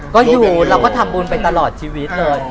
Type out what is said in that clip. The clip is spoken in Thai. ก็อยู่เราก็ทำบุญไปตลอดชีวิตเลย